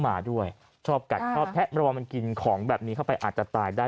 หมาด้วยชอบกัดชอบแทะระวังมันกินของแบบนี้เข้าไปอาจจะตายได้